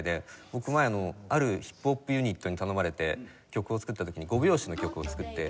僕前あるヒップホップユニットに頼まれて曲を作った時に５拍子の曲を作って。